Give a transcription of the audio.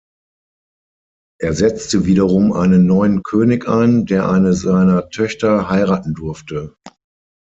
Er setzte wiederum einen neuen König ein, der eine seiner Töchter heiraten durfte.